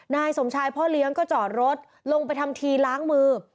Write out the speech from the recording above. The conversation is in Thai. นายสมชายพ่อเลี้ยงก็จอดรถลงไปทำทีล้างมือ